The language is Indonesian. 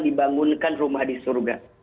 dibangunkan rumah di surga